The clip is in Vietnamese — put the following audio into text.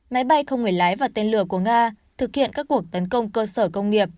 máy bay không người lái và tên lửa của nga thực hiện các cuộc tấn công cơ sở công nghiệp